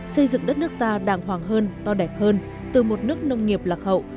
xây dựng đất nước ta đàng hoàng hơn to đẹp hơn từ một nước nông nghiệp lạc hậu